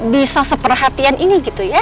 bisa seperhatian ini gitu ya